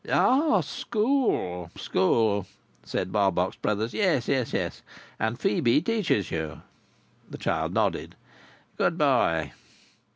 "Ah! School, school," said Barbox Brothers. "Yes, yes, yes. And Phœbe teaches you?" The child nodded. "Good boy."